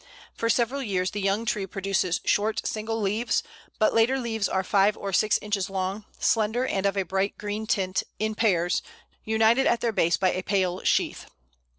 For several years the young tree produces short single leaves, but later leaves are five or six inches long, slender, and of a bright green tint, in pairs, united at their base by a pale sheath.